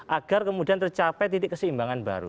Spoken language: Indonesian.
agar kemudian tercapai titik keseimbangan baru